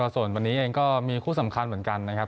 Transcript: ส่วนวันนี้เองก็มีคู่สำคัญเหมือนกันนะครับ